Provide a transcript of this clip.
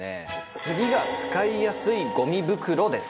次が使いやすいゴミ袋です。